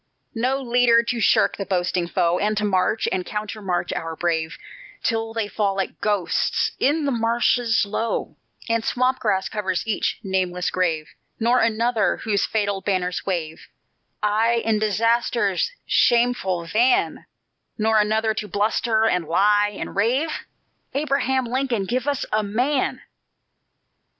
"No leader to shirk the boasting foe, And to march and countermarch our brave, Till they fall like ghosts in the marshes low, And swamp grass covers each nameless grave; Nor another, whose fatal banners wave Aye in Disaster's shameful van; Nor another, to bluster, and lie, and rave; Abraham Lincoln, give us a MAN!